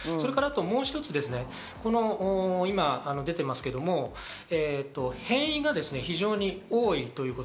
もう一つ、今出ていますけど、変異が非常に多いということ。